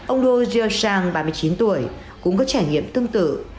ông duozhe zhang ba mươi chín tuổi cũng có trải nghiệm tương tự